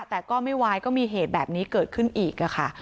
แต่ก็ไม่ไหวก็มีเหตุแบบนี้เกิดขึ้นอีกค่ะ